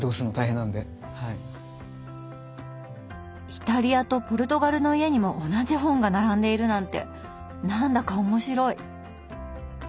イタリアとポルトガルの家にも同じ本が並んでいるなんて何だか面白い。